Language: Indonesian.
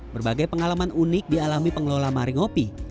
berbagai pengalaman unik dialami pengelola mari ngopi